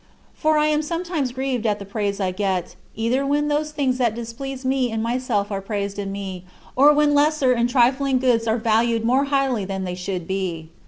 For I am sometimes grieved at the praise I get, either when those things that displease me in myself are praised in me, or when lesser and trifling goods are valued more highly than they should be.